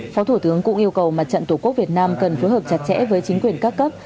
phó thủ tướng cũng yêu cầu mặt trận tổ quốc việt nam cần phối hợp chặt chẽ với chính quyền các cấp